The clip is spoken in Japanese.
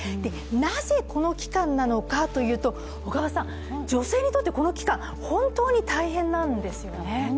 なぜこの期間なのかというと、女性にとってこの期間、本当に大変なんですよね。